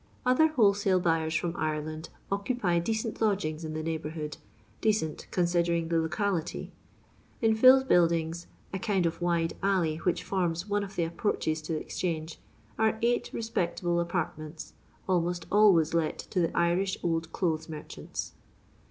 Other wholesale buyers from IreUnd occupy decent lodgings in the neighbourhood — decent considering the locality. In Phil's buildings, a kind of wide alley which forms one of the ap proaches to the Exchange, are eight respectable apartments, almost always let to the Irish old clothes merchants.